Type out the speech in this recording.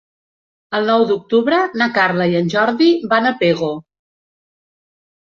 El nou d'octubre na Carla i en Jordi van a Pego.